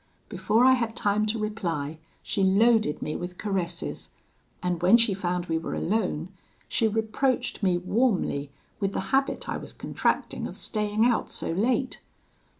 Before I had time to reply, she loaded me with caresses; and when she found we were alone, she reproached me warmly with the habit I was contracting of staying out so late.